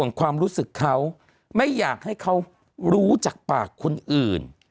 ความรู้สึกเขาไม่อยากให้เขารู้จากปากคนอื่น